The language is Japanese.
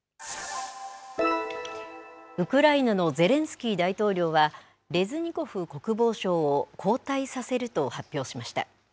ウクライナのゼレンスキー大統領は、レズニコフ国防相を交代させると発表しました。